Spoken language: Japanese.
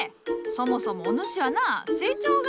そもそもお主はな成長が。